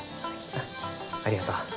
ああありがとう。